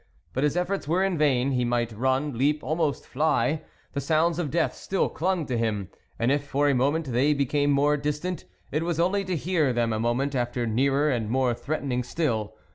But his efforts were in vain ; he might run, leap, almost fly, the sounds of death still clung to him, and if for a moment they be came more distant, it was only to hear them a moment after nearer and more threaten ing still.